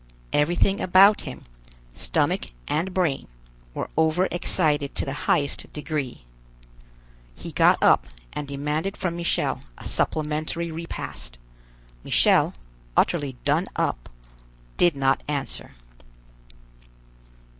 Everything about him, stomach and brain, were overexcited to the highest degree. He got up and demanded from Michel a supplementary repast. Michel, utterly done up, did not answer.